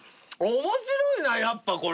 面白いなやっぱこれ！